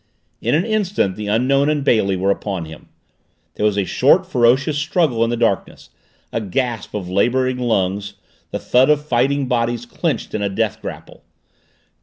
In an instant the Unknown and Bailey were upon him. There was a short, ferocious struggle in the darkness a gasp of laboring lungs the thud of fighting bodies clenched in a death grapple.